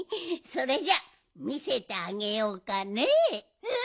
それじゃあみせてあげようかねえ。